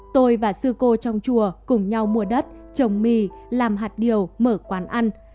tôi và sư cô trong chùa cùng nhau mua đất trồng mì làm hạt điều mở quán ăn